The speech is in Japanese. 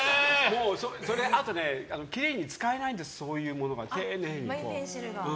あとね、きれいに使えないんですそういうものが、丁寧に。